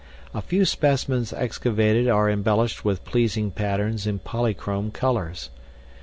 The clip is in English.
A few specimens excavated are embellished with pleasing patterns in polychrome colors.